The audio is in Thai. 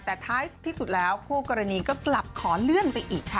แต่ท้ายที่สุดแล้วคู่กรณีก็กลับขอเลื่อนไปอีกค่ะ